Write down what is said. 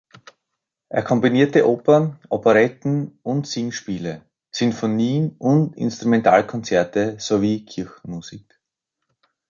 Er komponierte Opern, Operetten und Singspiele, Sinfonien und Instrumentalkonzerte sowie Kirchenmusik.